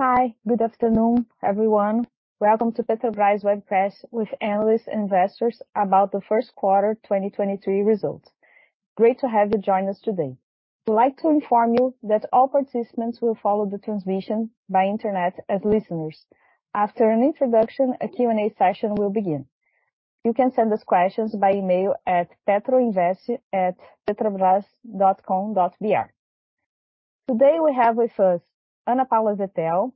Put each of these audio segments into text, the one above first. Hi. Good afternoon, everyone. Welcome to Petrobras webcast with analysts investors about the 1st quarter 2023 results. Great to have you join us today. We'd like to inform you that all participants will follow the transmission by internet as listeners. After an introduction, a Q&A session will begin. You can send us questions by email at petroinvest@petrobras.com.br. Today, we have with us Ana Paula Zettel,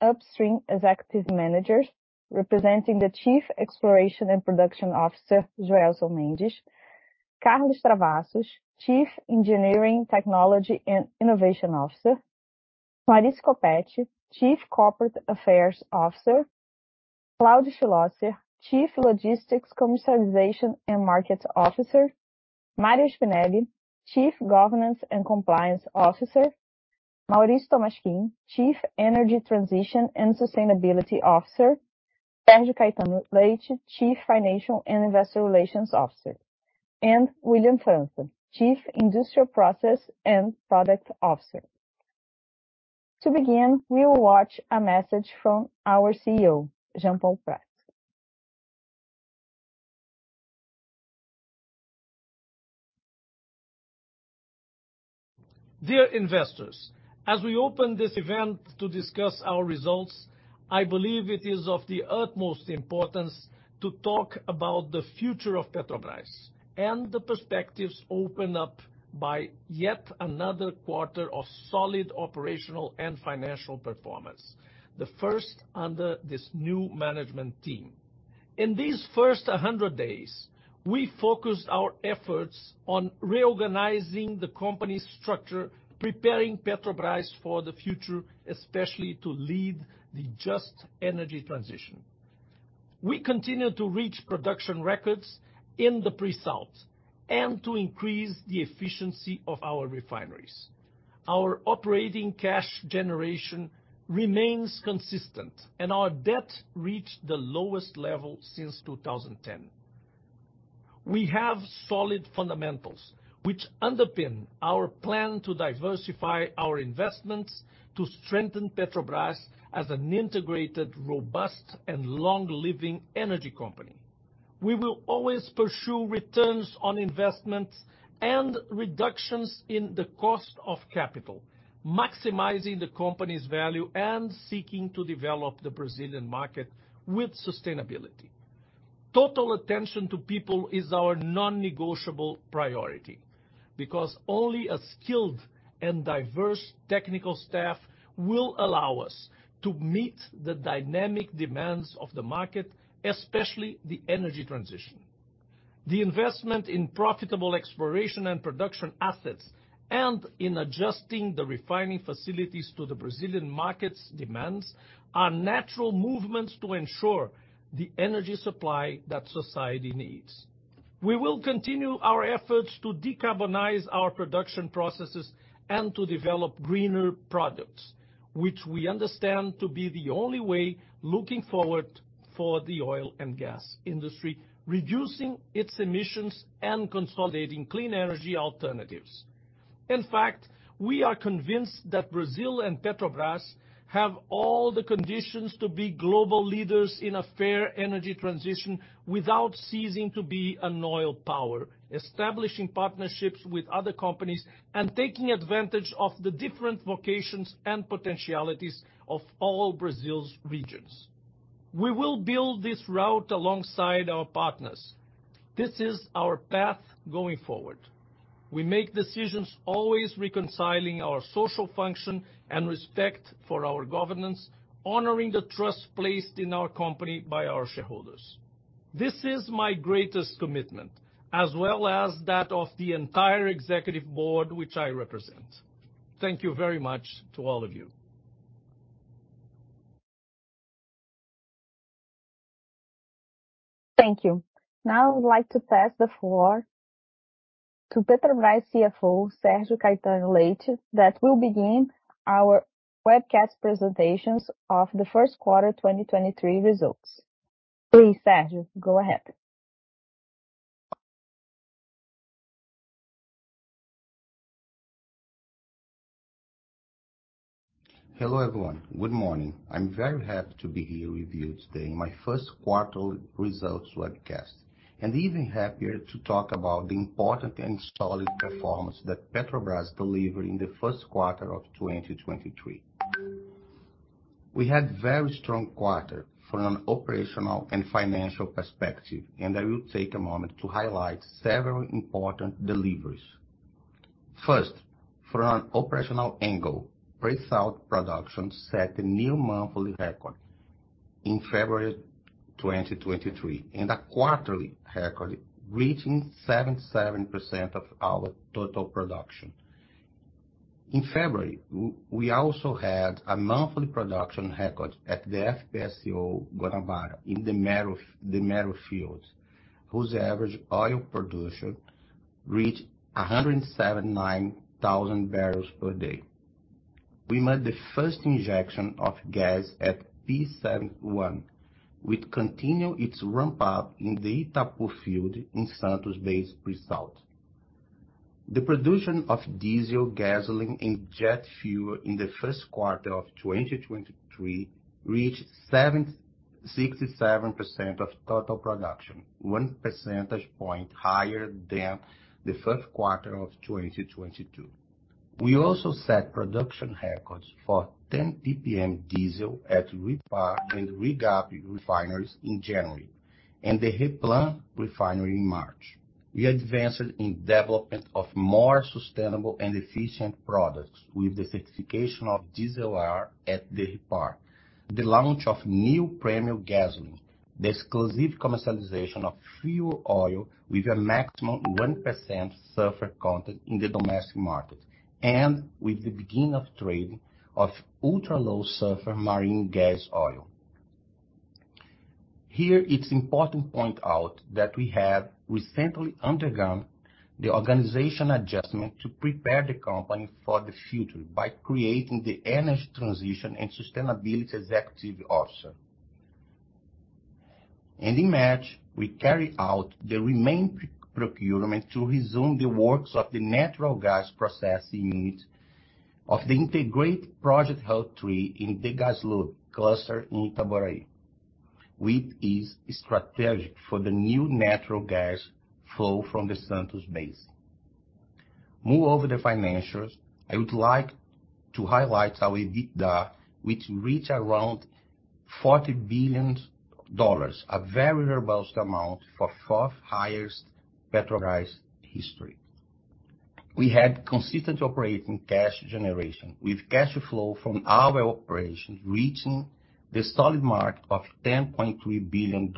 Upstream Executive Manager, representing the Chief Exploration and Production Officer, Joelson Mendes. Carlos Travassos, Chief Engineering, Technology and Innovation Officer. Clarice Coppetti, Chief Corporate Affairs Officer. Claudio Schlosser, Chief Logistics, Commercialization and Markets Officer. Mario Spinelli, Chief Governance and Compliance Officer. Mauricio Tolmasquim, Chief Energy Transition and Sustainability Officer. Sergio Caetano Leite, Chief Financial and Investor Relations Officer. William França, Chief Industrial Processes & Product Officer. To begin, we will watch a message from our CEO, Jean Paul Prates. Dear investors, as we open this event to discuss our results, I believe it is of the utmost importance to talk about the future of Petrobras and the perspectives opened up by yet another quarter of solid operational and financial performance, the first under this new management team. In these first 100 days, we focused our efforts on reorganizing the company's structure, preparing Petrobras for the future, especially to lead the just energy transition. We continue to reach production records in the pre-salt and to increase the efficiency of our refineries. Our operating cash generation remains consistent, and our debt reached the lowest level since 2010. We have solid fundamentals, which underpin our plan to diversify our investments to strengthen Petrobras as an integrated, robust, and long-living energy company. We will always pursue returns on investments and reductions in the cost of capital, maximizing the company's value and seeking to develop the Brazilian market with sustainability. Total attention to people is our non-negotiable priority, because only a skilled and diverse technical staff will allow us to meet the dynamic demands of the market, especially the energy transition. The investment in profitable exploration and production assets and in adjusting the refining facilities to the Brazilian market's demands are natural movements to ensure the energy supply that society needs. We will continue our efforts to decarbonize our production processes and to develop greener products, which we understand to be the only way looking forward for the oil and gas industry, reducing its emissions and consolidating clean energy alternatives. In fact, we are convinced that Brazil and Petrobras have all the conditions to be global leaders in a fair energy transition without ceasing to be an oil power, establishing partnerships with other companies, and taking advantage of the different vocations and potentialities of all Brazil's regions. We will build this route alongside our partners. This is our path going forward. We make decisions always reconciling our social function and respect for our governance, honoring the trust placed in our company by our shareholders. This is my greatest commitment, as well as that of the entire executive board which I represent. Thank you very much to all of you. Thank you. Now I would like to pass the floor to Petrobras CFO, Sergio Caetano Leite, that will begin our webcast presentations of the first quarter 2023 results. Please, Sergio, go ahead. Hello, everyone. Good morning. I'm very happy to be here with you today in my first quarter results webcast, and even happier to talk about the important and solid performance that Petrobras delivered in the first quarter of 2023. We had very strong quarter from an operational and financial perspective, and I will take a moment to highlight several important deliveries. First, from an operational angle, pre-salt production set a new monthly record in February 2023, and a quarterly record reaching 77% of our total production. In February, we also had a monthly production record at the FPSO Guanabara in the Mero field, whose average oil production reached 179,000 barrels per day. We made the first injection of gas at P-71, which continue its ramp up in the Itapu field in Santos Basin Pre-salt. The production of diesel, gasoline and jet fuel in the first quarter of 2023 reached 67% of total production, 1 percentage point higher than the first quarter of 2022. We also set production records for 10 PPM diesel at REPAR and REGAP refineries in January, and the REPLAN refinery in March. We advanced in development of more sustainable and efficient products with the certification of diesel oil at the REPAR, the launch of new premium gasoline, the exclusive commercialization of fuel oil with a maximum 1% sulfur content in the domestic market, and with the beginning of trade of Ultra Low Sulfur Marine Gas Oil. Here, it's important point out that we have recently undergone the organization adjustment to prepare the company for the future by creating the Energy Transition and Sustainability Executive Officer. In March, we carry out the remain procurement to resume the works of the natural gas processing unit of the integrated project Route 3 in the Gaslub cluster in Itaboraí, which is strategic for the new natural gas flow from the Santos Basin. The financials, I would like to highlight our EBITDA, which reached around $40 billion, a very robust amount for fourth-highest Petrobras history. We had consistent operating cash generation, with cash flow from our operations reaching the solid mark of $10.3 billion.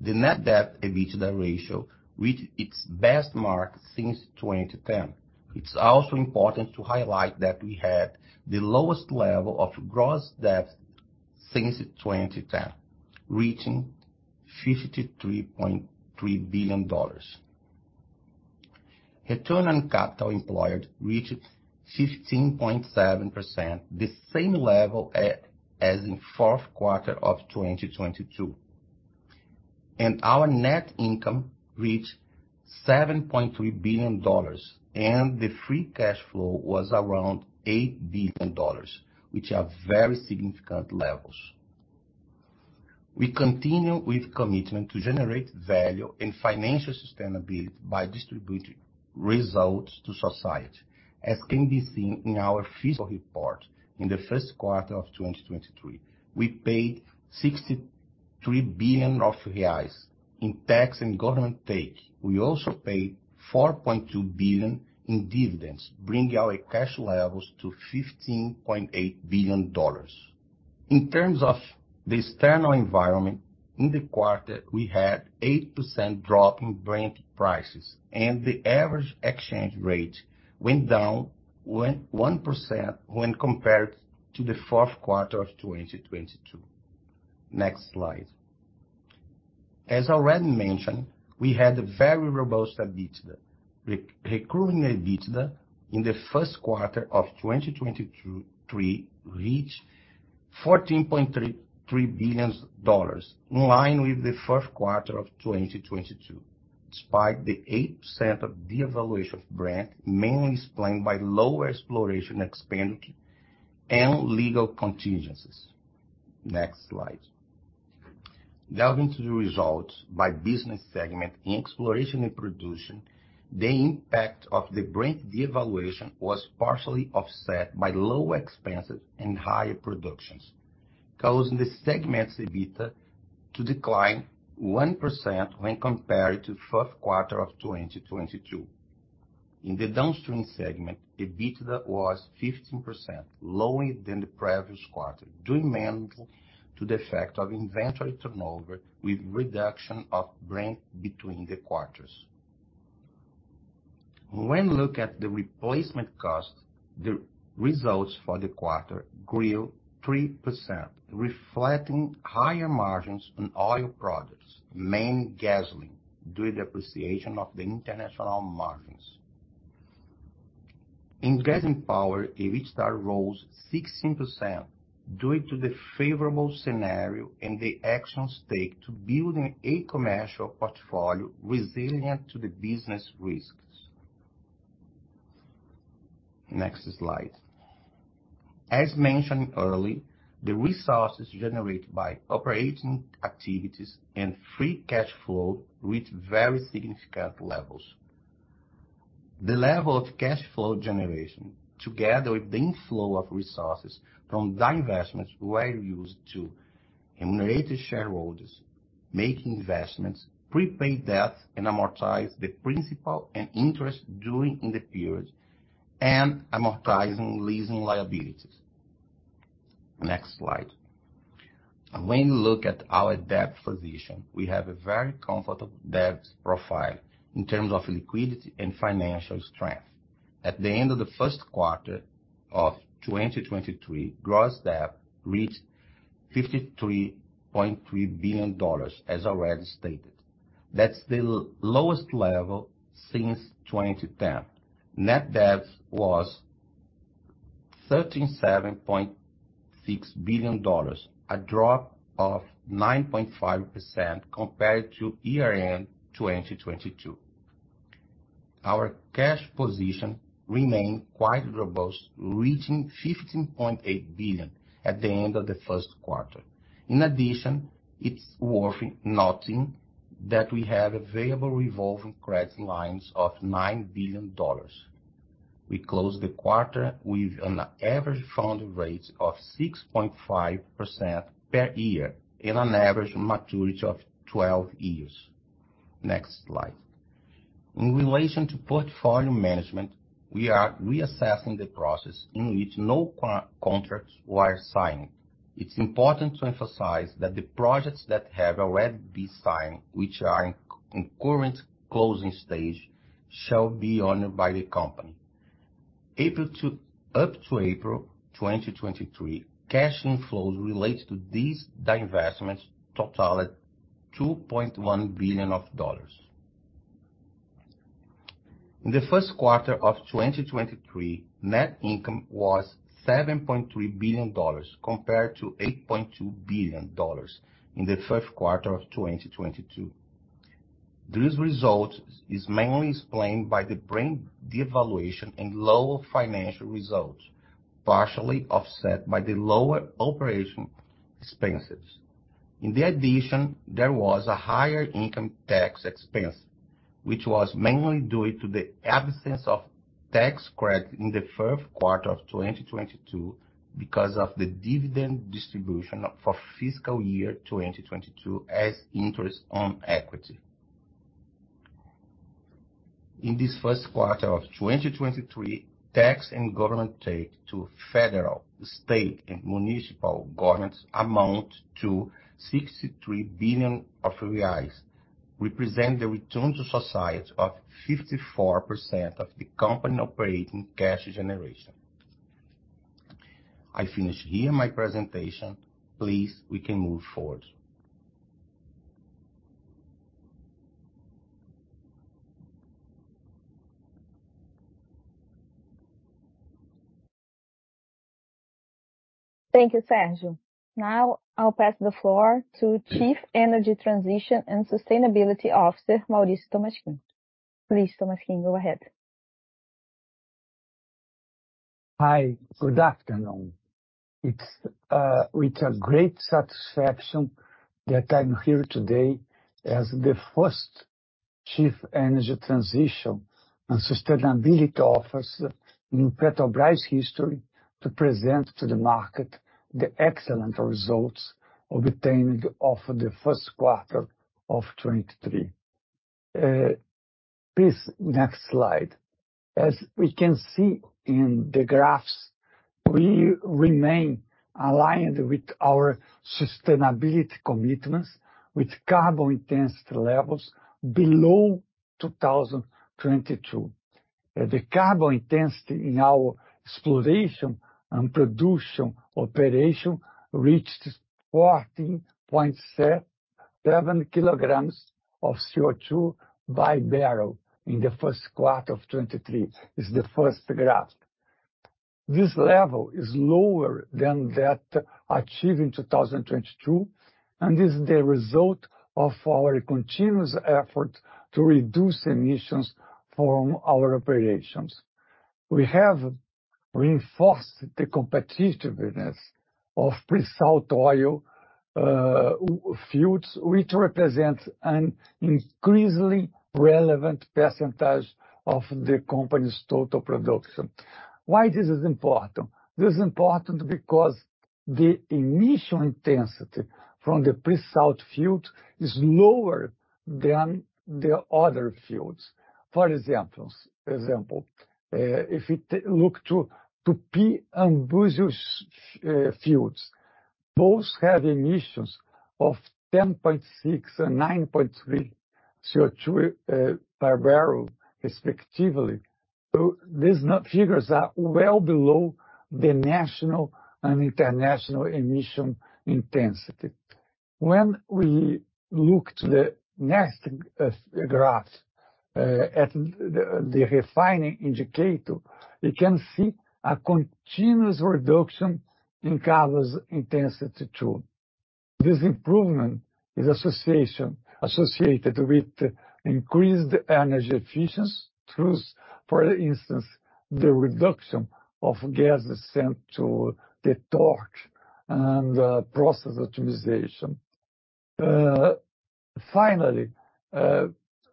The net debt EBITDA ratio reached its best mark since 2010. It's also important to highlight that we had the lowest level of gross debt since 2010, reaching $53.3 billion. Return on capital employed reached 15.7%, the same level as in fourth quarter of 2022. Our net income reached $7.3 billion, and the free cash flow was around $8 billion, which are very significant levels. We continue with commitment to generate value and financial sustainability by distributing results to society, as can be seen in our fiscal report in the first quarter of 2023. We paid 63 billion reais in tax and government take. We also paid $4.2 billion in dividends, bringing our cash levels to $15.8 billion. In terms of the external environment, in the quarter, we had 8% drop in Brent prices, and the average exchange rate went down 1% when compared to the fourth quarter of 2022. Next slide. As already mentioned, we had a very robust EBITDA. Recurring EBITDA in the first quarter of 2023 reached $14.33 billion, in line with the first quarter of 2022, despite the 8% of devaluation of Brent, mainly explained by lower exploration expenditure and legal contingencies. Next slide. Delving to the results by business segment in exploration and production, the impact of the Brent devaluation was partially offset by lower expenses and higher productions, causing the segment's EBITDA to decline 1% when compared to the fourth quarter of 2022. In the downstream segment, EBITDA was 15% lower than the previous quarter, due mainly to the effect of inventory turnover with reduction of Brent between the quarters. When look at the replacement cost, the results for the quarter grew 3%, reflecting higher margins on oil products, mainly gasoline, due to appreciation of the international margins. In Gas and Power, EBITDA rose 16% due to the favorable scenario and the actions taken to building a commercial portfolio resilient to the business risks. Next slide. As mentioned earlier, the resources generated by operating activities and free cash flow reached very significant levels. The level of cash flow generation, together with the inflow of resources from divestments, were used to remunerate shareholders, make investments, prepay debt, and amortize the principal and interest during the period, and amortizing leasing liabilities. Next slide. When you look at our debt position, we have a very comfortable debt profile in terms of liquidity and financial strength. At the end of the first quarter of 2023, gross debt reached $53.3 billion, as already stated. That's the lowest level since 2010. Net debt was $37.6 billion, a drop of 9.5% compared to year-end 2022. Our cash position remained quite robust, reaching $15.8 billion at the end of the first quarter. In addition, it's worth noting that we have available revolving credit lines of $9 billion. We closed the quarter with an average funding rate of 6.5% per year and an average maturity of 12 years. Next slide. In relation to portfolio management, we are reassessing the process in which no contracts were signed. It's important to emphasize that the projects that have already been signed, which are in current closing stage, shall be owned by the company. Up to April 2023, cash inflows related to these divestments totaled $2.1 billion. In the first quarter of 2023, net income was $7.3 billion compared to $8.2 billion in the first quarter of 2022. This result is mainly explained by the Brent devaluation and lower financial results, partially offset by the lower operation expenses. In addition, there was a higher income tax expense, which was mainly due to the absence of tax credit in the first quarter of 2022 because of the dividend distribution for fiscal year 2022 as interest on equity. In this first quarter of 2023, tax and government take to federal, state and municipal governments amount to 63 billion reais, representing the return to society of 54% of the company operating cash generation. I finish here my presentation. Please, we can move forward. Thank you, Sergio. Now I'll pass the floor to Chief Energy Transition and Sustainability Officer, Mauricio Tolmasquim. Please, Tolmasquim, go ahead. Hi, good afternoon. It's with a great satisfaction that I'm here today as the first Chief Energy Transition and Sustainability Officer in Petrobras history to present to the market the excellent results obtained over the first quarter of 2023. Please, next slide. As we can see in the graphs, we remain aligned with our sustainability commitments with carbon intensity levels below 2022. The carbon intensity in our exploration and production operation reached 14.7 kilograms of CO2 by barrel in the first quarter of 2023, is the first graph. This level is lower than that achieved in 2022, is the result of our continuous effort to reduce emissions from our operations. We have reinforced the competitiveness of pre-salt oil fields, which represent an increasingly relevant percentage of the company's total production. Why this is important? This is important because the emission intensity from the pre-salt field is lower than the other fields. For example, if we look at Tupi and Búzios fields, both have emissions of 10.6 and 9.3 CO2 per barrel respectively. These figures are well below the national and international emission intensity. When we look to the next graphs, at the refining indicator, we can see a continuous reduction in carbon intensity too. This improvement is associated with increased energy efficiency through, for instance, the reduction of gases sent to the torch and process optimization. Finally,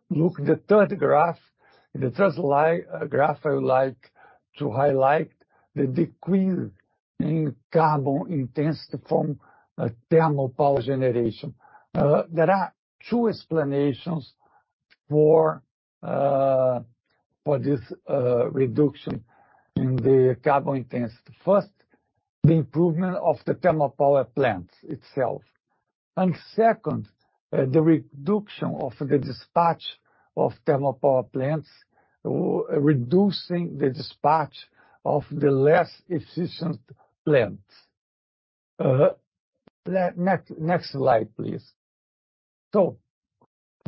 look the third graph. In the third graph, I would like to highlight the decrease in carbon intensity from thermal power generation. There are two explanations for this reduction in the carbon intensity. First, the improvement of the thermal power plant itself. Second, the reduction of the dispatch of thermal power plants, reducing the dispatch of the less efficient plants. Next slide, please.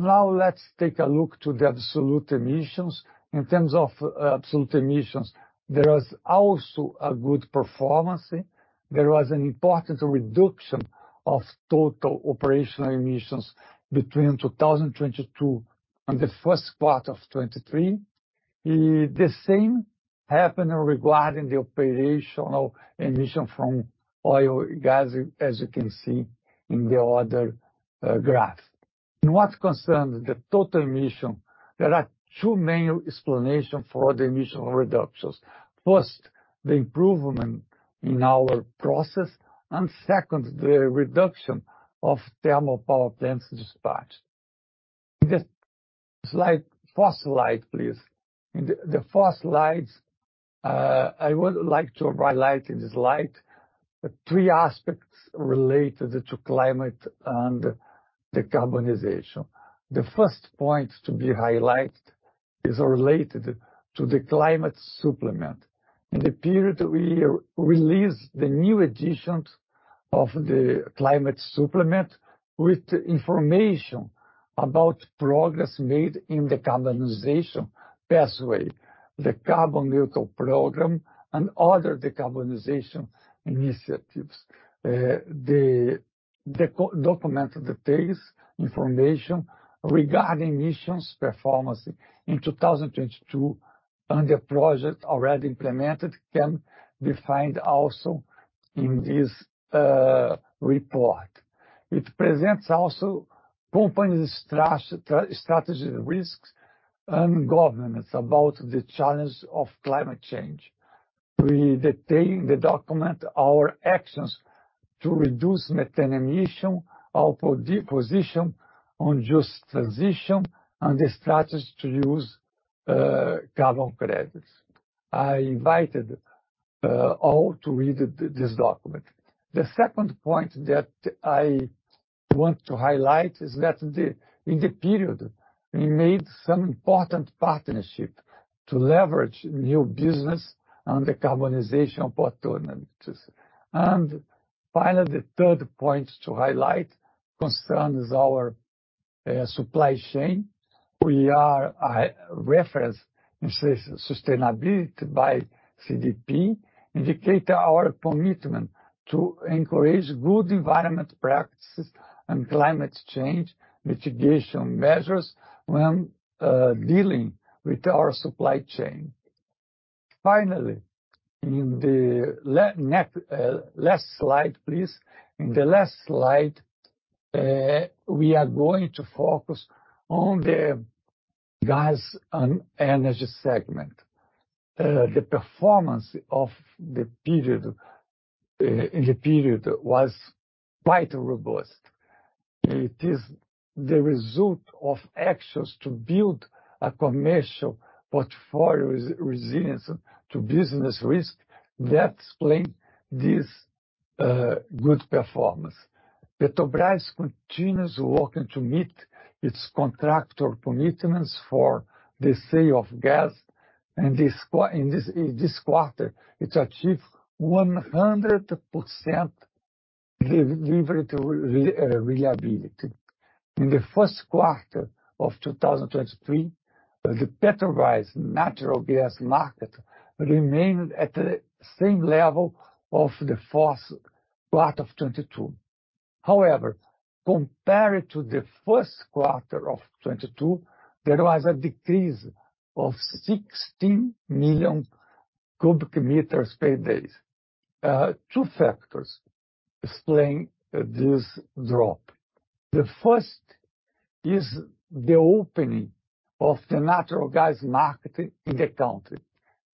Now let's take a look to the absolute emissions. In terms of absolute emissions, there is also a good performance. There was an important reduction of total operational emissions between 2022 and the first part of 23. The same happened regarding the operational emission from oil and gas, as you can see in the other graph. In what concerns the total emission, there are two main explanation for the emission reductions. First, the improvement in our process, and second, the reduction of thermal power plants dispatch. First slide, please. In the first slides, I would like to highlight in this slide the three aspects related to climate and decarbonization. The first point to be highlighted is related to the Climate Supplement. In the period, we released the new editions of the Climate Supplement with information about progress made in decarbonization pathway, the Carbon Neutral Program, and other decarbonization initiatives. The document details information regarding emissions performance in 2022 and the project already implemented can be found also in this report. It presents also company's strategy risks and governance about the challenge of climate change. We detail in the document our actions to reduce methane emission, our position on just transition, and the strategy to use carbon credits. I invited all to read this document. The second point that I want to highlight is that the, in the period, we made some important partnership to leverage new business and decarbonization opportunities. Finally, the third point to highlight concerns our supply chain. We are a reference in sustainability by CDP, indicate our commitment to encourage good environment practices and climate change mitigation measures when dealing with our supply chain. Finally, in the last slide, please. In the last slide, we are going to focus on the Gas and Energy segment. The performance of the period was quite robust. It is the result of actions to build a commercial portfolio resilience to business risk that explain this good performance. Petrobras continues working to meet its contractual commitments for the sale of gas. In this quarter, it achieved 100% delivery reliability. In the first quarter of 2023, the Petrobras natural gas market remained at the same level of the fourth quarter of 2022. Compared to the first quarter of 2022, there was a decrease of 16 million cubic meters per day. Two factors explain this drop. The first is the opening of the natural gas market in the country,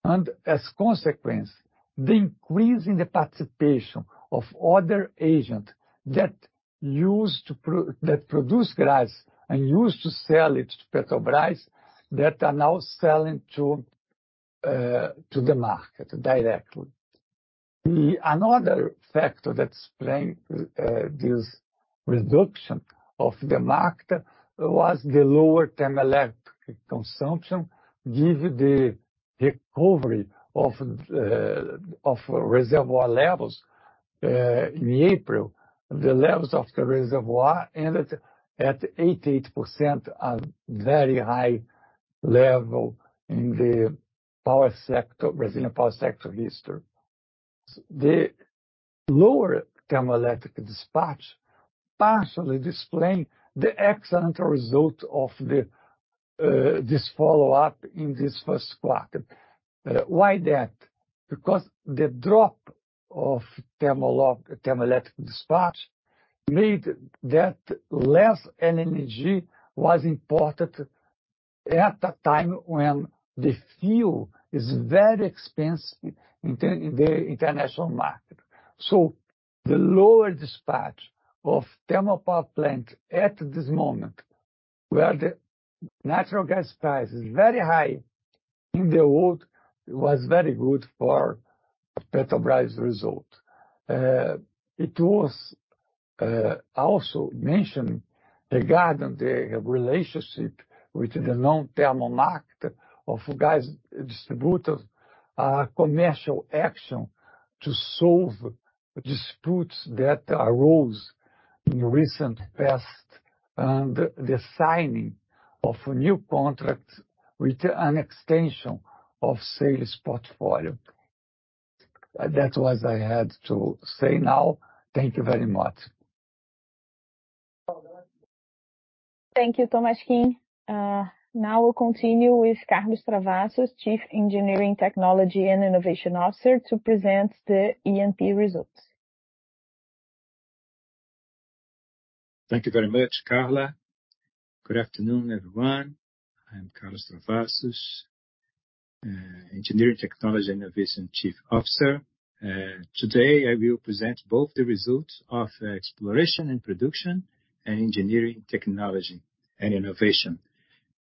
and as consequence, the increase in the participation of other agents that used to produce gas and used to sell it to Petrobras that are now selling to the market directly. Another factor that explain this reduction of the market was the lower thermoelectric consumption, given the recovery of reservoir levels in April. The levels of the reservoir ended at 88%, a very high level in the power sector, Brazilian power sector history. The lower thermoelectric dispatch partially explain the excellent result of the this follow-up in this first quarter. Why that? Because the drop of thermoelectric dispatches need, that less LNG was imported at a time when the fuel is very expensive in the international market. The lower dispatch of thermal power plant at this moment, where the natural gas price is very high in the world, was very good for Petrobras result. It was also mentioned regarding the relationship with the non-thermal market of gas distributors, a commercial action to solve disputes that arose in recent past and the signing of a new contract with an extension of sales portfolio. I had to say now. Thank you very much. Thank you, Tolmasquim. now we'll continue with Carlos Travassos, Chief Engineering, Technology and Innovation Officer, to present the E&P results. Thank you very much, Carla. Good afternoon, everyone. I'm Carlos Travassos, Engineering Technology Innovation Chief Officer. Today I will present both the results of Exploration and Production and Engineering Technology and Innovation.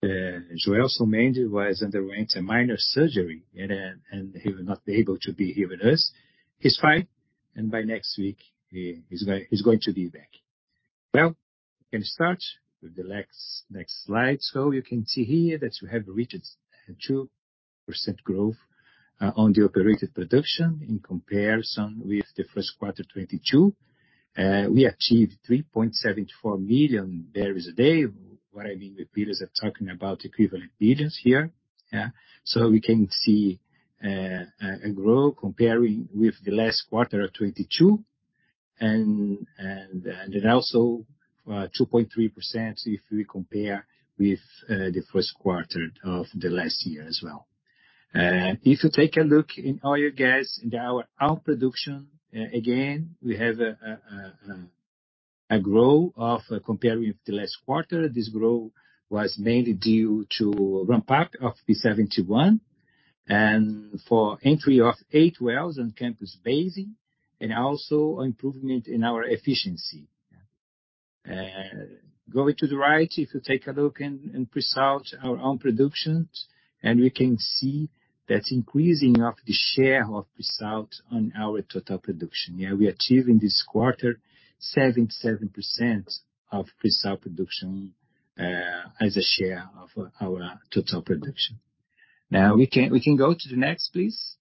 Joelson Mendes was underwent a minor surgery and he will not be able to be here with us. He's fine, and by next week he's going to be back. Well, we can start with the next slide. You can see here that we have reached a 2% growth on the operated production in comparison with the first quarter 2022. We achieved 3.74 million barrels a day. What I mean with barrels, I'm talking about equivalent barrels here, yeah. We can see a growth comparing with the last quarter of 2022, 2.3% if we compare with the first quarter of the last year as well. If you take a look in oil and gas in our production, we have a growth of comparing with the last quarter. This growth was mainly due to ramp up of P-71 and for entry of eight wells on Campos Basin, and also improvement in our efficiency. Going to the right, if you take a look in pre-salt our own productions, we can see that increasing of the share of pre-salt on our total production. Yeah, we achieve in this quarter 77% of pre-salt production as a share of our total production. We can go to the next, please.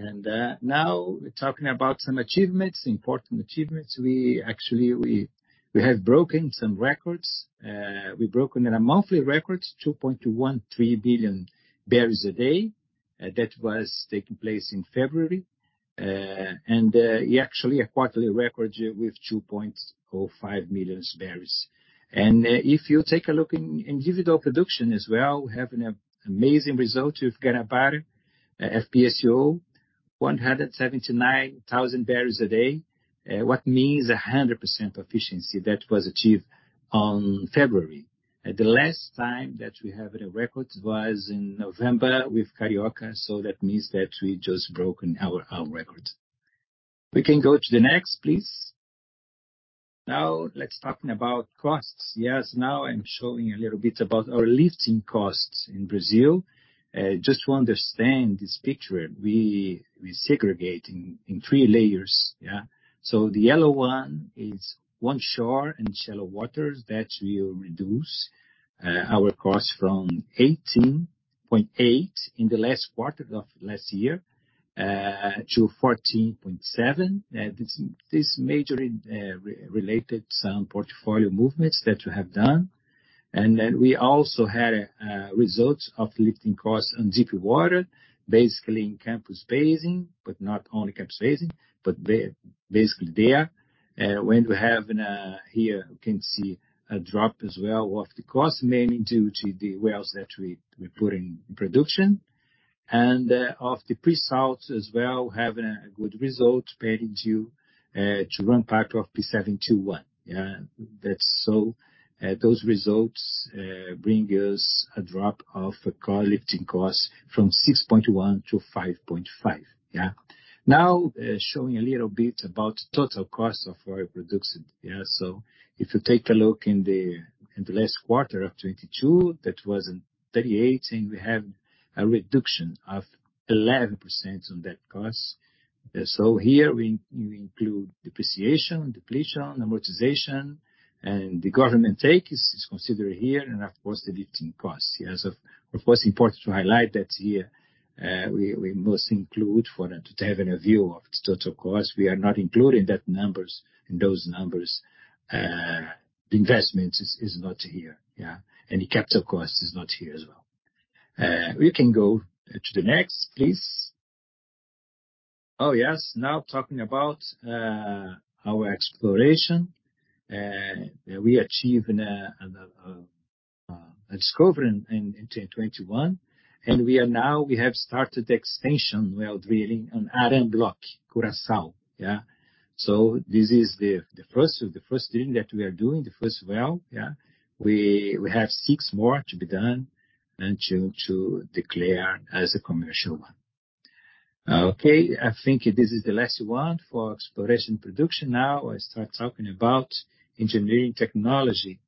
Now we're talking about some achievements, important achievements. We actually, we have broken some records. We've broken a monthly records, 2.13 billion barrels a day. That was taking place in February. Actually a quarterly record with 2.05 million barrels. If you take a look in individual production as well, we're having an amazing result with Guanabara FPSO, 179,000 barrels a day, what means 100% efficiency. That was achieved on February. At the last time that we have the records was in November with Carioca, that means that we just broken our record. We can go to the next, please. Now let's talking about costs. Now I'm showing a little bit about our lifting costs in Brazil. Just to understand this picture, we segregate in three layers, yeah. The yellow one is onshore and shallow waters. That will reduce our cost from 18.8 in the last quarter of last year to 14.7. This majorly related some portfolio movements that we have done. We also had results of lifting costs on deeper water, basically in Campos Basin, but not only Campos Basin, but basically there. When we have here you can see a drop as well of the cost, mainly due to the wells that we put in production. Of the pre-salt as well, having a good result mainly due to ramp up of P-71, yeah. That's so, those results bring us a drop of our lifting costs from 6.1 to 5.5, yeah. Showing a little bit about total cost of our production, yeah. If you take a look in the last quarter of 2022, that was in 38, and we have a reduction of 11% on that cost. Here we include depreciation, depletion, amortization, and the government take is considered here, and of course, the lifting costs. Yes, of course, important to highlight that here, we must include to have a view of the total cost. We are not including in those numbers. The investment is not here, yeah. The capital cost is not here as well. We can go to the next, please. Yes. Talking about our exploration, we achieved a discovery in 2021, and we are now, we have started extension well drilling on Aram block, Curaçao, yeah. This is the first drilling that we are doing, the first well, yeah. We have six more to be done and to declare as a commercial one. I think this is the last one for exploration production. I start talking about engineering technology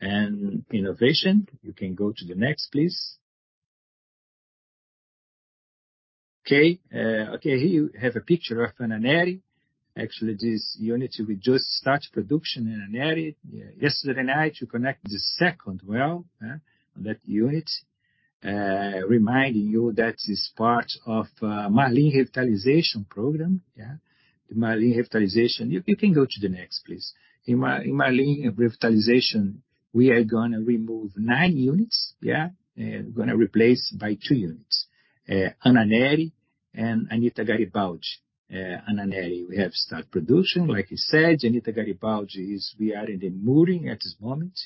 and innovation. You can go to the next, please. Here you have a picture of Anna Nery. Actually, this unit, we just start production in Anna Nery yesterday night to connect the second well, yeah, on that unit. Reminding you that is part of Marlim Revitalization program, yeah. The Marlim Revitalization. You can go to the next, please. In Marlim Revitalization, we are gonna remove nine units, gonna replace by units. Anna Nery and Anita Garibaldi. Anna Nery, we have start production, like you said. Anita Garibaldi we are in the mooring at this moment.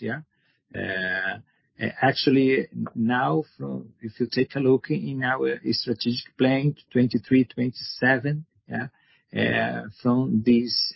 Actually now from, if you take a look in our strategic plan, 2023-2027. From these,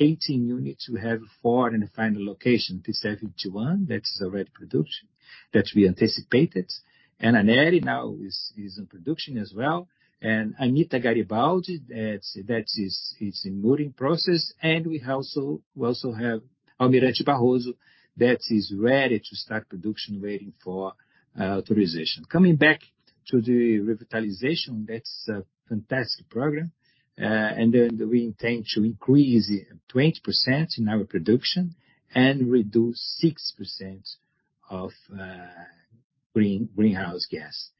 18 units, we have four in the final location. P-71, that's already production, that we anticipated. Anna Nery now is in production as well. Anita Garibaldi, that is in mooring process. We also have Almirante Barroso that is ready to start production, waiting for authorization. Coming back to the revitalization, that's a fantastic program. We intend to increase 20% in our production and reduce 6% of greenhouse gas.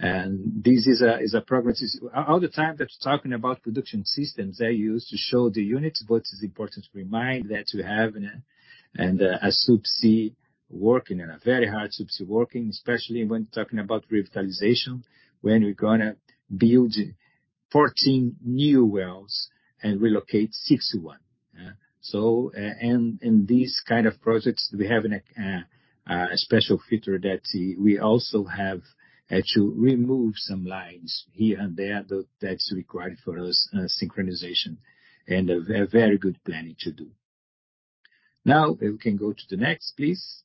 This is a progress. All the time that talking about production systems, they used to show the units, but it's important to remind that we have a subsea working, and a very hard subsea working, especially when talking about revitalization, when we're gonna build 14 new wells and relocate 61. In these kind of projects, we have a special feature that we also have had to remove some lines here and there that's required for us, synchronization and a very good planning to do. Now we can go to the next, please.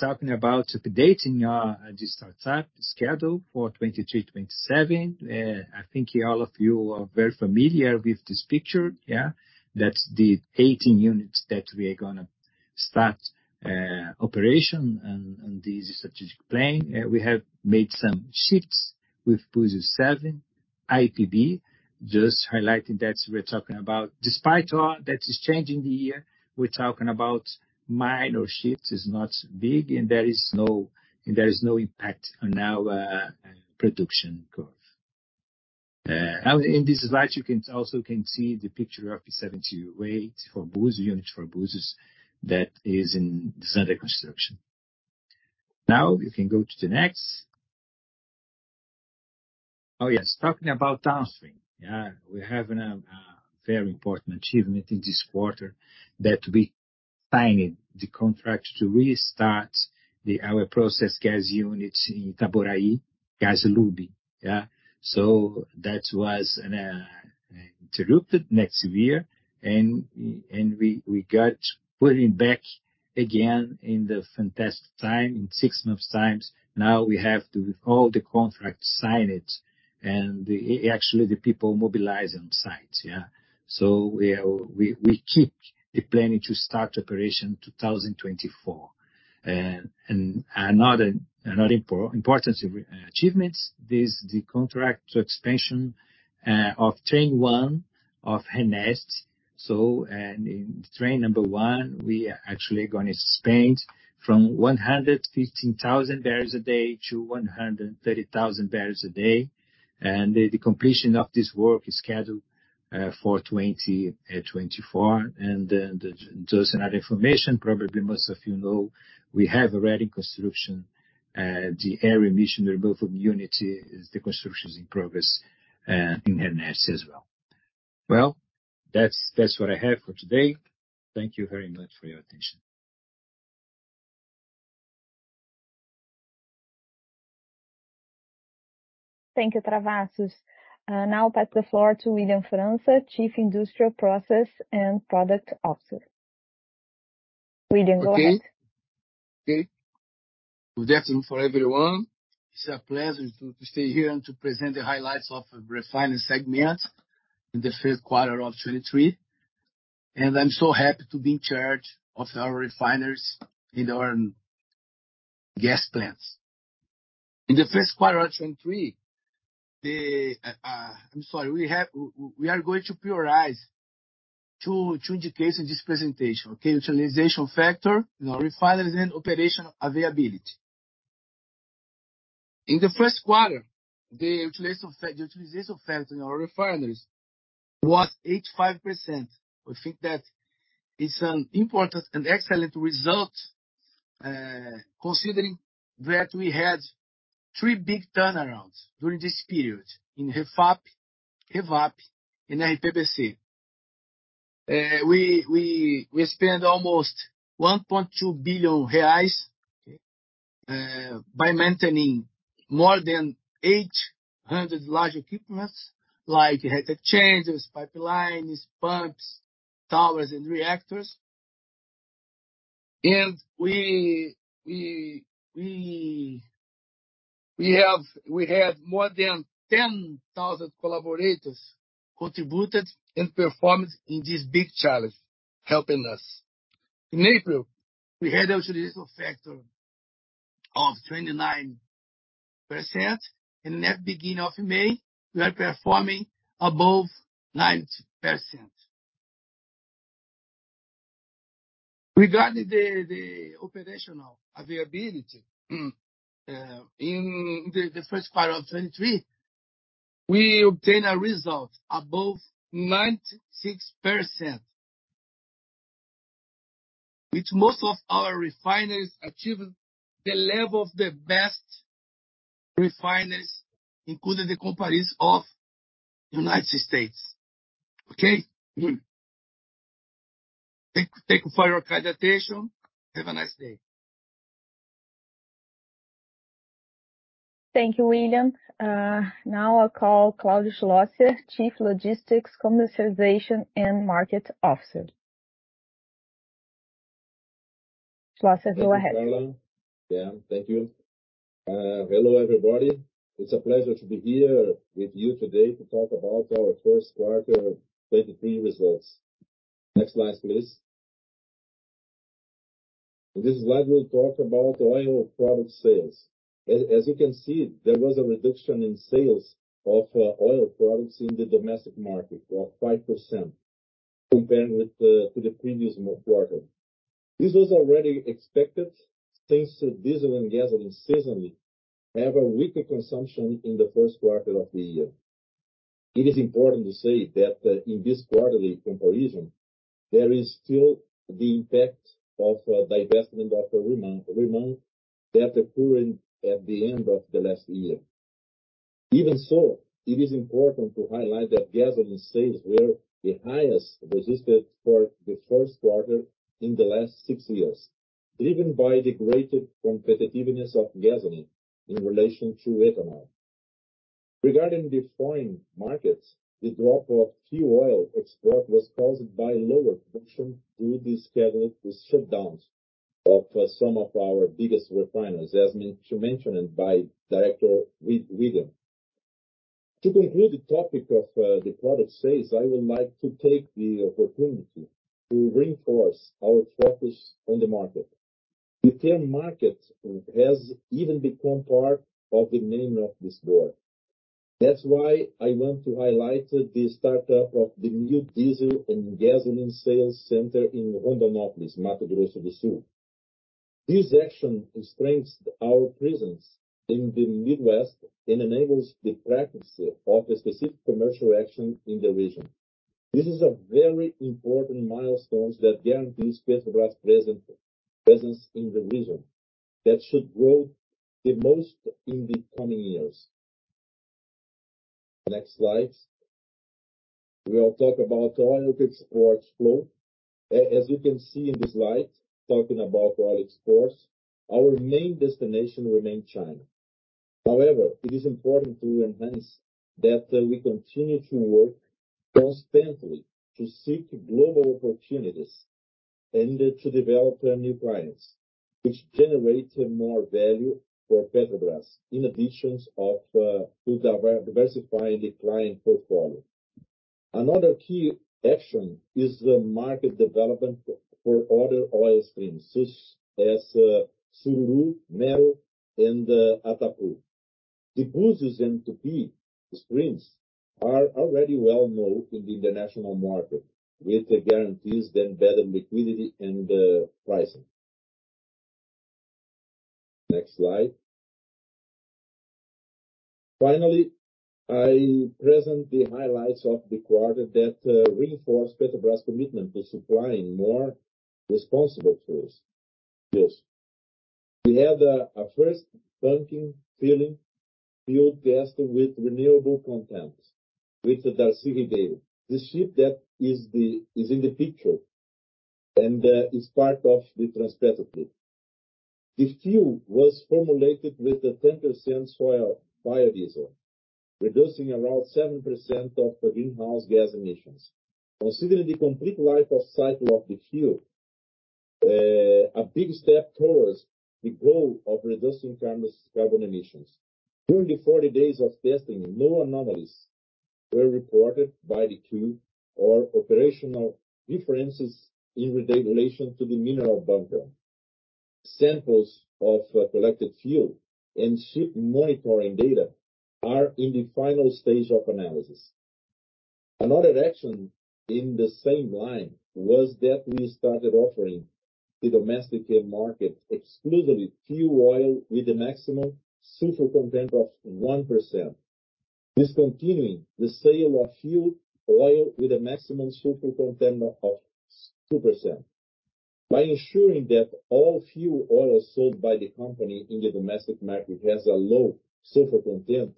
Talking about updating our startup schedule for 2023-2027. I think all of you are very familiar with this picture, yeah. That's the 18 units that we are gonna start operation on this Strategic Plan. We have made some shifts with Búzios 7, IPB. Just highlighting that we're talking about despite all that is changing the year, we're talking about minor shifts. It's not big, and there is no impact on our production curve. In this slide, you can also can see the picture of P-78 for Búzios, units for Búzios, that is in standard construction. You can go to the next. Yes, talking about downstream. We're having a very important achievement in this quarter, that we signed the contract to restart the, our process gas units in Itaboraí Gaslub, yeah. That was interrupted next year, and we got putting back again in the fantastic time, in 6 months times. We have all the contract signed, and actually the people mobilized on site, yeah. We are, we keep the planning to start operation 2024. Another important achievement is the contract to expansion of Train 1 of RNEST. In train 1, we are actually gonna expand from 115,000 barrels a day to 130,000 barrels a day. The completion of this work is scheduled for 2024. Just another information, probably most of you know, we have already construction the air emission removal unit is the construction is in progress in RNEST as well. That's what I have for today. Thank you very much for your attention. Thank you, Travassos. Now pass the floor to William França, Chief Industrial Process and Product Officer. William, go ahead. Okay. Good afternoon for everyone. It's a pleasure to stay here and to present the highlights of refinery segment in the first quarter of 2023. I'm so happy to be in charge of our refineries and our gas plants. In the first quarter of 2023, I'm sorry, we are going to prioritize two indications in this presentation, okay. Utilization factor in our refineries and operational availability. In the first quarter, the utilization factor in our refineries was 85%. We think that it's an important and excellent result, considering that we had three big turnarounds during this period in REFAP, REVAP and RPBC. We spent almost 1.2 billion reais by maintaining more than 800 large equipments like heat exchangers, pipelines, pumps, towers, and reactors. We had more than 10,000 collaborators contributed and performed in this big challenge, helping us. In April, we had a utilization factor of 29%, and at beginning of May, we are performing above 90%. Regarding the operational availability, in the first part of 2023, we obtained a result above 96%, which most of our refineries achieve the level of the best refineries, including the companies of United States. Okay. Thank you for your kind attention. Have a nice day. Thank you, William. now I call Claudio Schlosser, Chief Logistics Commercialization and Market Officer. Schlosser, go ahead. Thank you, Carla. Yeah, thank you. Hello, everybody. It's a pleasure to be here with you today to talk about our first quarter 2023 results. Next slide, please. In this slide, we'll talk about oil product sales. As you can see, there was a reduction in sales of oil products in the domestic market of 5% compared with to the previous quarter. This was already expected since diesel and gasoline seasonally have a weaker consumption in the first quarter of the year. It is important to say that in this quarterly comparison, there is still the impact of divestment of REMAN that occurred at the end of the last year. It is important to highlight that gasoline sales were the highest registered for the first quarter in the last six years, driven by the greater competitiveness of gasoline in relation to ethanol. Regarding the foreign markets, the drop of fuel oil export was caused by lower production due to scheduled shutdowns of some of our biggest refineries, as mentioned by Director William. To conclude the topic of the product sales, I would like to take the opportunity to reinforce our focus on the market. The term market has even become part of the name of this board. That's why I want to highlight the startup of the new diesel and gasoline sales center in Rondonópolis, Mato Grosso do Sul. This action strengthens our presence in the Midwest and enables the practice of a specific commercial action in the region. This is a very important milestone that guarantees Petrobras' presence in the region that should grow the most in the coming years. Next slide. We'll talk about oil export flow. As you can see in this slide, talking about oil exports, our main destination remains China. However, it is important to emphasize that, we continue to work constantly to seek global opportunities and to develop new clients, which generate more value for Petrobras in additions of to diversifying the client portfolio. Another key action is the market development for other oil streams, such as Sururu, Mero, and Atapu. The Búzios and Tupi streams are already well-known in the international market with guarantees them better liquidity and pricing. Next slide. Finally, I present the highlights of the quarter that reinforce Petrobras' commitment to supplying more responsible fuels. We had a first bunkering, filling fuel test with renewable content with the Darcy Ribeiro, the ship that is in the picture and is part of the Transpetro fleet. The fuel was formulated with a 10% soy biodiesel, reducing around 7% of the greenhouse gas emissions. Considering the complete life of cycle of the fuel, a big step towards the goal of reducing carbon emissions. During the 40 days of testing, no anomalies were reported by the crew or operational differences in relation to the mineral bunker. Samples of collected fuel and ship monitoring data are in the final stage of analysis. Another action in the same line was that we started offering the domestic market exclusively fuel oil with a maximum sulfur content of 1%, discontinuing the sale of fuel oil with a maximum sulfur content of 2%. By ensuring that all fuel oils sold by the company in the domestic market has a low sulfur content,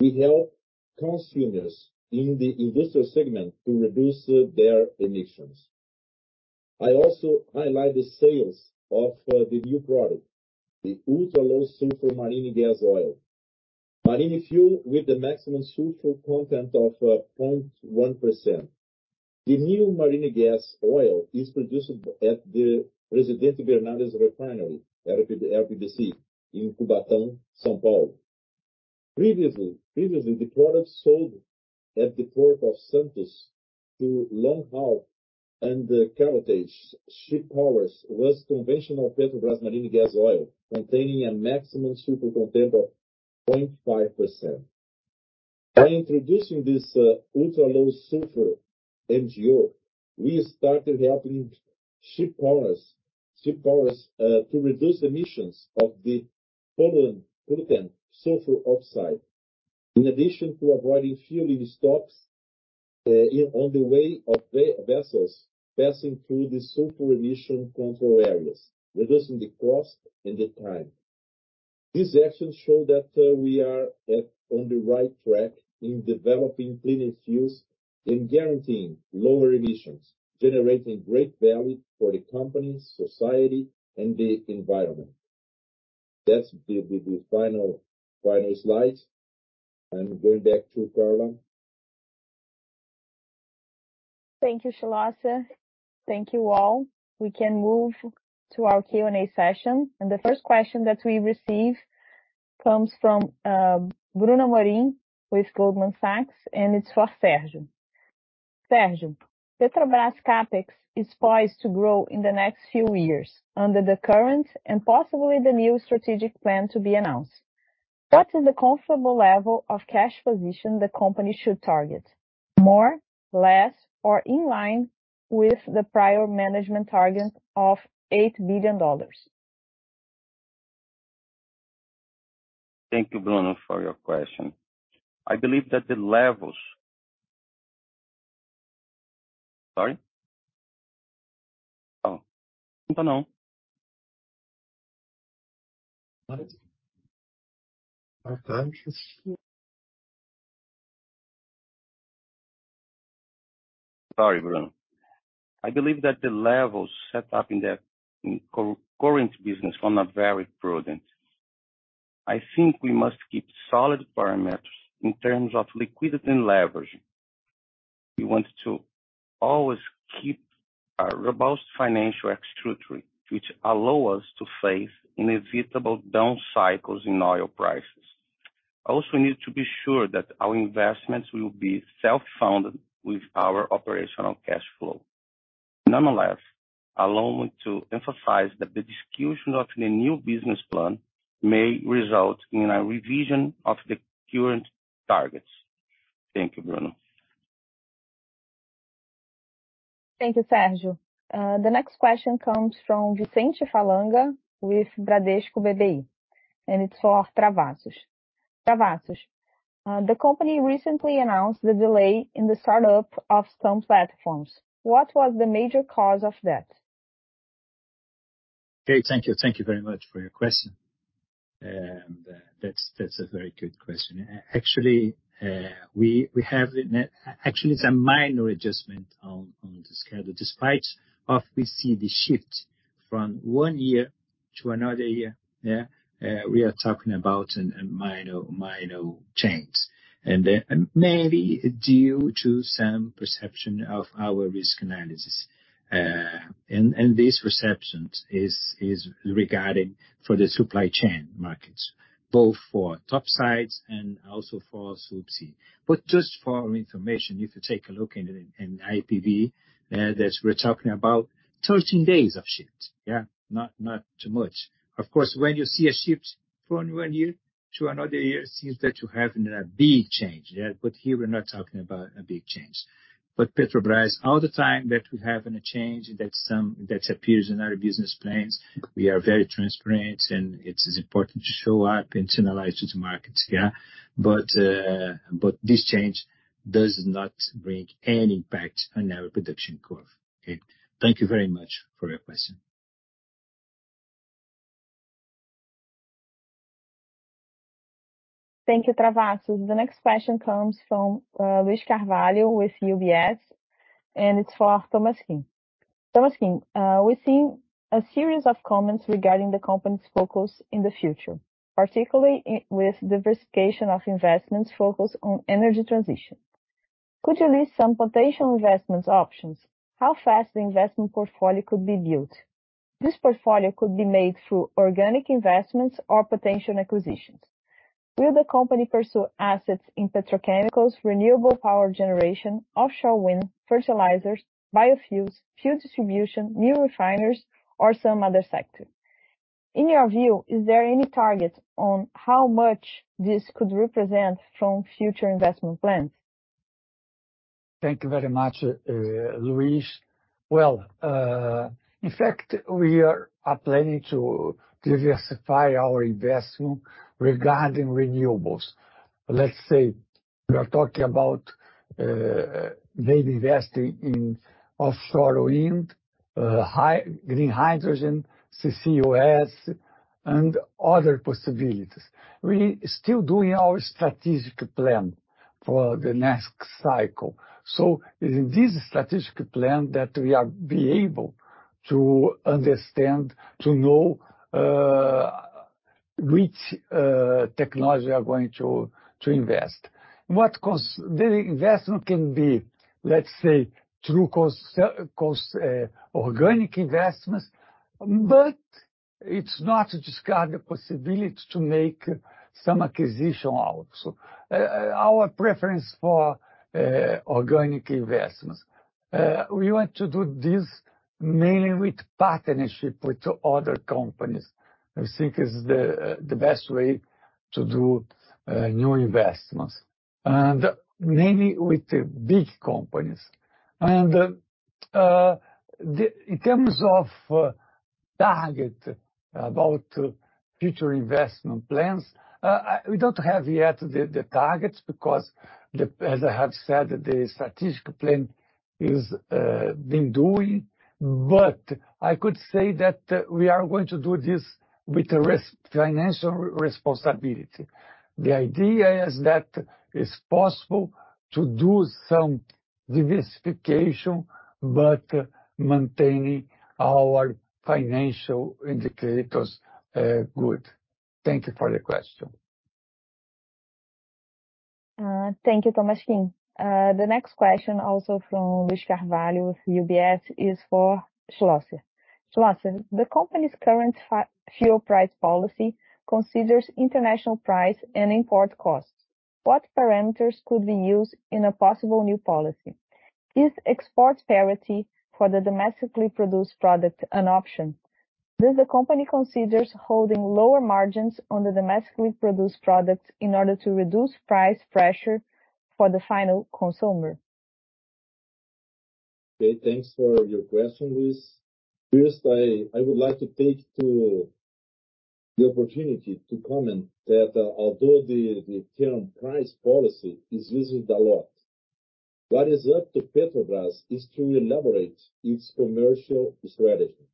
we help consumers in the industrial segment to reduce their emissions. I also highlight the sales of the new product, the Ultra Low Sulfur Marine Gas Oil. Marine fuel with the maximum sulfur content of 0.1%. The new marine gas oil is produced at the Presidente Bernardes refinery, RPBC, in Cubatão, São Paulo. Previously, the product sold at the Port of Santos to long haul and the carriage ship powers was conventional Petrobras marine gas oil containing a maximum sulfur content of 0.5%. By introducing this Ultra Low Sulfur MGO, we started helping ship owners to reduce emissions of the pollutant sulfur oxide. In addition to avoiding fueling stops on the way of vessels passing through the sulfur emission control areas, reducing the cost and the time. These actions show that we are on the right track in developing cleaner fuels and guaranteeing lower emissions, generating great value for the company, society and the environment. That's the final slide. I'm going back to Carla. Thank you, Schlosser. Thank you, all. We can move to our Q&A session. The first question that we received comes from Bruno Montanari with Goldman Sachs, and it's for Sergio. Sergio, Petrobras CapEx is poised to grow in the next few years under the current and possibly the new strategic plan to be announced. What is the comfortable level of cash position the company should target? More, less or in line with the prior management target of $8 billion? Thank you, Bruno, for your question. I believe that the levels... Sorry? Oh, no. All right. Sorry, Bruno. I believe that the levels set up in the co-current business were not very prudent. I think we must keep solid parameters in terms of liquidity and leverage. We want to always keep a robust financial structure, which allow us to face inevitable down cycles in oil prices. I also need to be sure that our investments will be self-funded with our operational cash flow. Nonetheless, allow me to emphasize that the discussion of the new business plan may result in a revision of the current targets. Thank you, Bruno. Thank you, Sergio. The next question comes from Vicente Falanga with Bradesco BBI, and it's for Travassos. Travassos, the company recently announced the delay in the startup of some platforms. What was the major cause of that? Okay, thank you. Thank you very much for your question. That's a very good question. Actually, we have the net. Actually, it's a minor adjustment on the schedule. Despite of we see the shift from one year to another year, we are talking about a minor change, and maybe due to some perception of our risk analysis. These perceptions is regarding for the supply chain markets, both for top sides and also for subsea. Just for information, if you take a look in IPV, that we're talking about 13 days of shift. Not too much. Of course, when you see a shift from one year to another year, it seems that you're having a big change. Here, we're not talking about a big change. Petrobras, all the time that we're having a change that's that appears in our business plans, we are very transparent, and it's important to show up and analyze these markets, yeah. This change does not bring any impact on our production curve, okay. Thank you very much for your question. Thank you, Travassos. The next question comes from, Luiz Carvalho with UBS. It's for Tolmasquim. Tolmasquim, we've seen a series of comments regarding the company's focus in the future, particularly with diversification of investments focused on energy transition. Could you list some potential investments options? How fast the investment portfolio could be built? This portfolio could be made through organic investments or potential acquisitions. Will the company pursue assets in petrochemicals, renewable power generation, offshore wind, fertilizers, biofuels, fuel distribution, new refiners or some other sector? In your view, is there any target on how much this could represent from future investment plans? Thank you very much, Luiz. In fact, we are planning to diversify our investment regarding renewables. Let's say, we are talking about maybe investing in offshore wind, green hydrogen, CCUS and other possibilities. We still doing our Strategic Plan for the next cycle. It is in this Strategic Plan that we are be able to understand, to know, which technology we are going to invest. The investment can be, let's say, through organic investments, it's not to discard the possibility to make some acquisition also. Our preference for organic investments, we want to do this mainly with partnership with other companies. I think is the best way to do new investments, mainly with the big companies. The, in terms of target about future investment plans, we don't have yet the targets because, as I have said, the statistical plan is been doing. I could say that we are going to do this with a financial responsibility. The idea is that it's possible to do some diversification but maintaining our financial indicators, good. Thank you for the question. Thank you, Tolmasquim. The next question, also from Luiz Carvalho, UBS, is for Schlosser. Schlosser, the company's current fuel price policy considers international price and import costs. What parameters could be used in a possible new policy? Is export parity for the domestically produced product an option? Does the company considers holding lower margins on the domestically produced products in order to reduce price pressure for the final consumer? Okay, thanks for your question, Luiz. First, I would like to take the opportunity to comment that, although the term price policy is used a lot, what is up to Petrobras is to elaborate its commercial strategy.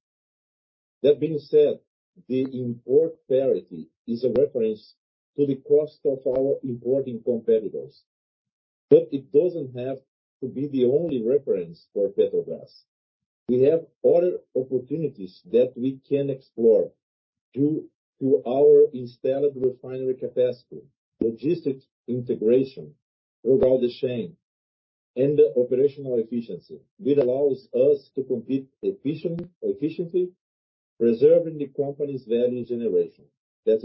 That being said, the import parity is a reference to the cost of our importing competitors, but it doesn't have to be the only reference for Petrobras. We have other opportunities that we can explore due to our installed refinery capacity, logistic integration throughout the chain, and operational efficiency, which allows us to compete efficiently, preserving the company's value generation. That's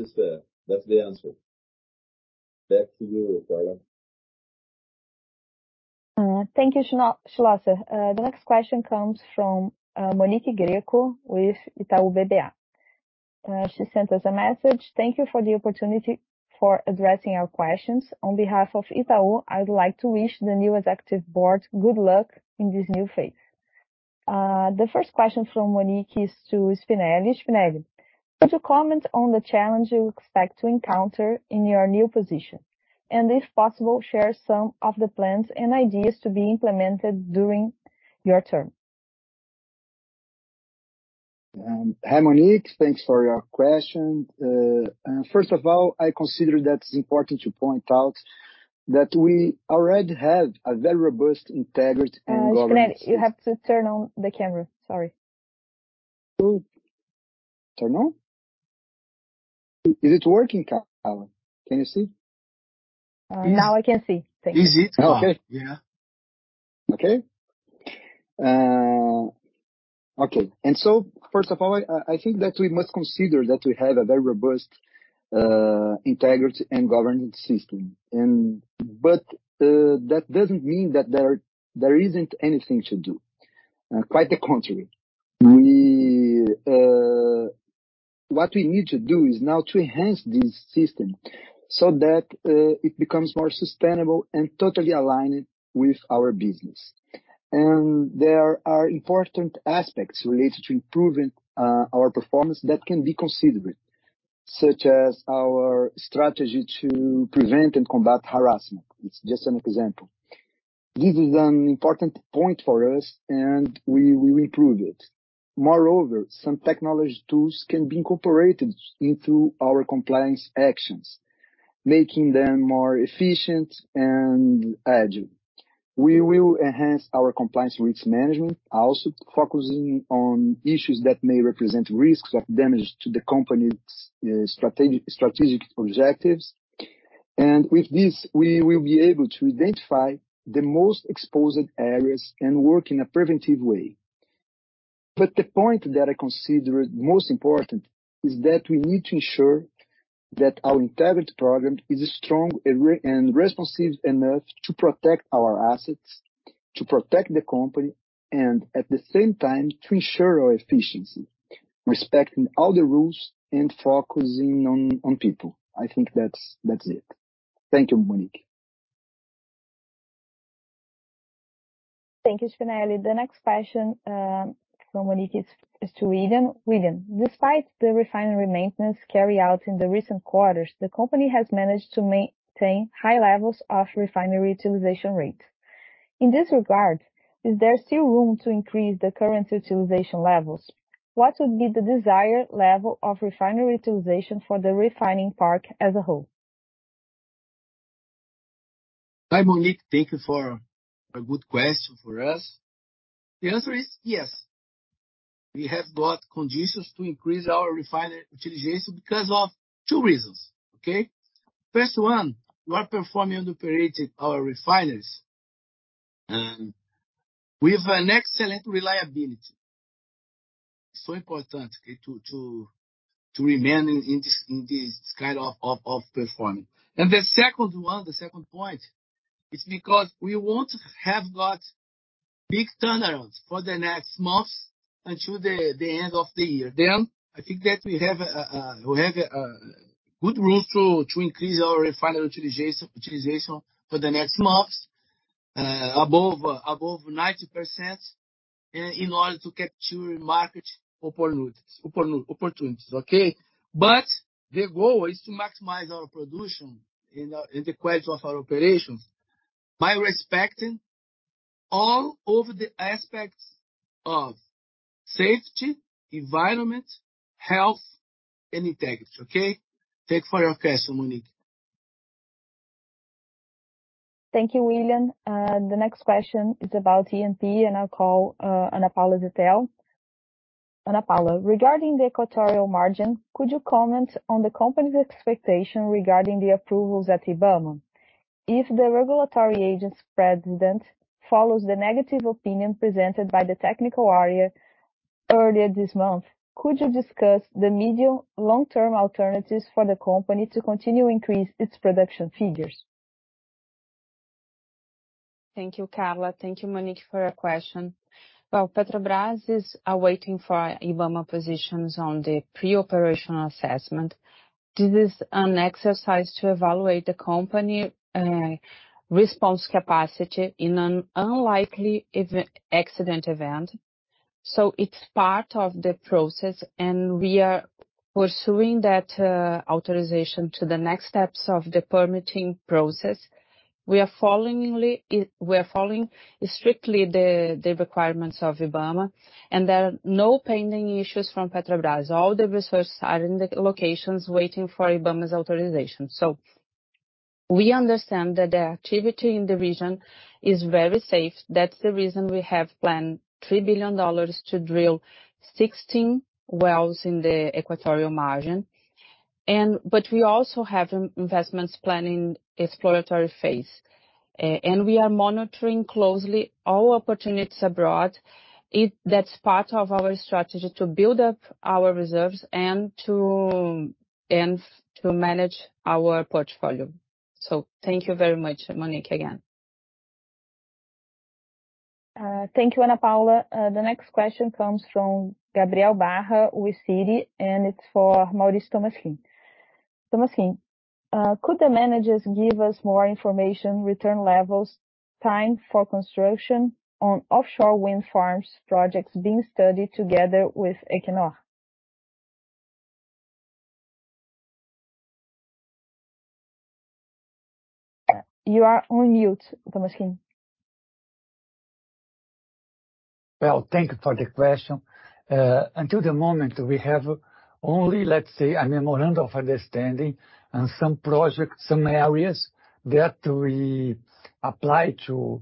the answer. Back to you, Carla. Thank you, Schlosser. The next question comes from Monique Greco with Itaú BBA. She sent us a message. Thank you for the opportunity for addressing our questions. On behalf of Itaú, I would like to wish the new executive board good luck in this new phase. The first question from Monique is to Spinelli. Spinelli, could you comment on the challenge you expect to encounter in your new position? If possible, share some of the plans and ideas to be implemented during your term. Hi, Monique. Thanks for your question. First of all, I consider that it's important to point out that we already have a very robust integrity and governance system. Mário Spinelli, you have to turn on the camera. Sorry. Oh, turn on? Is it working, Carla? Can you see? Now I can see. Thank you. Is it? Okay. Yeah. Okay. Okay. First of all, I think that we must consider that we have a very robust integrity and governance system that doesn't mean that there isn't anything to do. Quite the contrary. What we need to do is now to enhance this system so that it becomes more sustainable and totally aligned with our business. There are important aspects related to improving our performance that can be considered, such as our strategy to prevent and combat harassment. It's just an example. This is an important point for us, and we will improve it. Moreover, some technology tools can be incorporated into our compliance actions, making them more efficient and agile. We will enhance our compliance risk management, also focusing on issues that may represent risks of damage to the company's strategic objectives. With this, we will be able to identify the most exposed areas and work in a preventive way. The point that I consider most important is that we need to ensure that our integrity program is strong and responsive enough to protect our assets, to protect the company, and at the same time, to ensure our efficiency, respecting all the rules and focusing on people. I think that's it. Thank you, Monique. Thank you, Spinelli. The next question from Monique is to William. William, despite the refinery maintenance carried out in the recent quarters, the company has managed to maintain high levels of refinery utilization rates. In this regard, is there still room to increase the current utilization levels? What would be the desired level of refinery utilization for the refining park as a whole? Hi, Monique. Thank you for a good question for us. The answer is yes. We have got conditions to increase our refinery utilization because of two reasons, okay? First one, we are performing and operating our refineries with an excellent reliability. So important, okay? to remain in this kind of performing. The second one, the second point, is because we won't have got big turnarounds for the next months. Until the end of the year. I think that we have a good room to increase our refinery utilization for the next months, above 90% in order to capture market opportunities. Okay? The goal is to maximize our production in the course of our operations by respecting all of the aspects of safety, environment, health, and integrity. Okay? Thank you for your question, Monique. Thank you, William. The next question is about E&P. I'll call Ana Paula Zettel. Ana Paula, regarding the Equatorial Margin, could you comment on the company's expectation regarding the approvals at IBAMA? If the regulatory agent's president follows the negative opinion presented by the technical area earlier this month, could you discuss the medium long-term alternatives for the company to continue increase its production figures? Thank you, Carla. Thank you, Monique, for your question. Well, Petrobras is waiting for IBAMA positions on the pre-operational assessment. This is an exercise to evaluate the company response capacity in an unlikely even-accident event. It's part of the process, and we are pursuing that authorization to the next steps of the permitting process. We are followingly, we are following strictly the requirements of IBAMA, and there are no pending issues from Petrobras. All the resources are in the locations waiting for IBAMA's authorization. We understand that the activity in the region is very safe. That's the reason we have planned $3 billion to drill 16 wells in the Equatorial Margin. We also have investments planned in exploratory phase. We are monitoring closely all opportunities abroad. That's part of our strategy to build up our reserves and to, and to manage our portfolio. Thank you very much, Monique, again. Thank you, Ana Paula. The next question comes from Gabriel Barra with Citi, and it's for Mauricio Tolmasquim. Tolmasquim, could the managers give us more information, return levels, time for construction on offshore wind farms projects being studied together with Equinor? You are on mute, Tolmasquim. Well, thank you for the question. Until the moment we have only, let's say, a memorandum of understanding and some projects, some areas that we apply to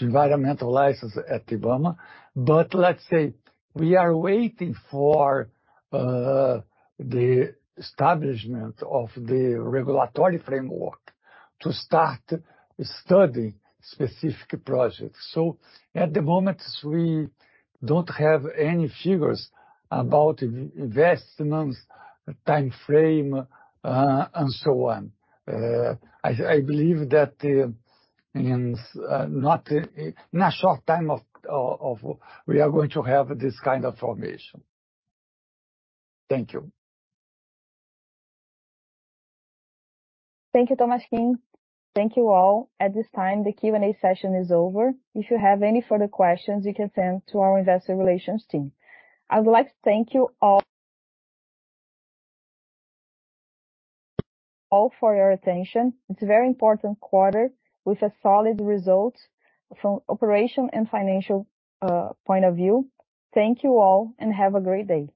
environmental license at IBAMA. Let's say we are waiting for the establishment of the regulatory framework to start studying specific projects. At the moment, we don't have any figures about investments, timeframe, and so on. I believe that in a short time we are going to have this kind of information. Thank you. Thank you, Tolmasquim. Thank you all. At this time, the Q&A session is over. If you have any further questions, you can send to our investor relations team. I would like to thank you all for your attention. It's a very important quarter with a solid result from operation and financial point of view. Thank you all, and have a great day.